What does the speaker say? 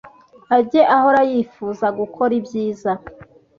age ahora yifuza gukora ibyiza.